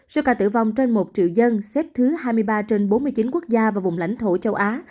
số ca tử vong trên một triệu dân xếp thứ hai mươi ba trên bốn mươi chín quốc gia và vùng lãnh thổ châu á